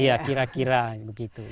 iya kira kira begitu